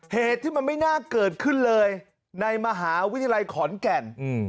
เหตุที่มันไม่น่าเกิดขึ้นเลยในมหาวิทยาลัยขอนแก่น